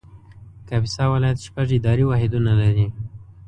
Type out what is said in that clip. کاپیسا ولایت شپږ اداري واحدونه لري